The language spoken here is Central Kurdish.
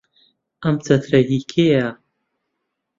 ئەم چەترە هی کێیە؟